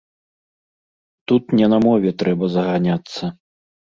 Тут не на мове трэба заганяцца.